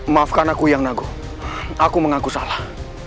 maafkan aku yang aku aku mengaku salah